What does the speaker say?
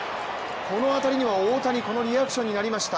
この当たりには、大谷、このリアクションになりました。